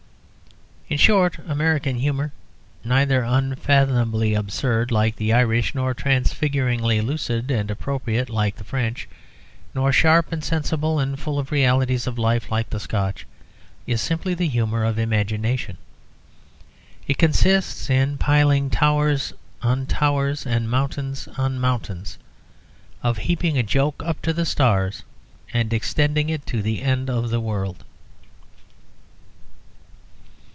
In short, American humour, neither unfathomably absurd like the Irish, nor transfiguringly lucid and appropriate like the French, nor sharp and sensible and full of realities of life like the Scotch, is simply the humour of imagination. It consists in piling towers on towers and mountains on mountains; of heaping a joke up to the stars and extending it to the end of the world.